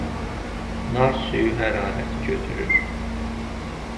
Nar suyu hərarəti götürür.